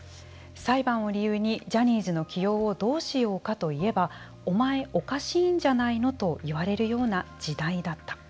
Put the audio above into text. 裁判を理由にジャニーズの起用をどうしようかと言えばおまえ、おかしいんじゃないのと言われるような時代だった。